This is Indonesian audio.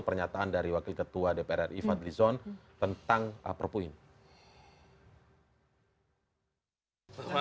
pernyataan dari wakil ketua dpr ri fadlizon tentang perpu ini